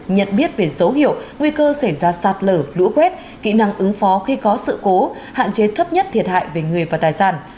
nhận biết về dấu hiệu nguy cơ xảy ra sạt lở lũ quét kỹ năng ứng phó khi có sự cố hạn chế thấp nhất thiệt hại về người và tài sản